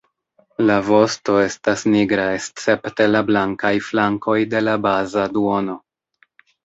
La vosto estas nigra escepte la blankaj flankoj de la baza duono.